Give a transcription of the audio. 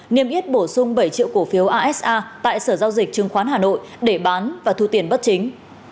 niêm yết bổ sung bảy triệu cổ phiếu asa tại sở giao dịch chứng khoán hà nội để bán và thu tiền bất chính